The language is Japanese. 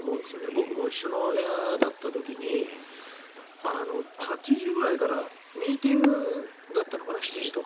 僕も一緒の部屋だった時に７時、８時ぐらいからミーティングだったのかな。